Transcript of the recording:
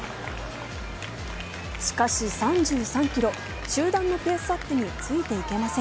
しかし３３ｋｍ、集団のペースアップについていけません。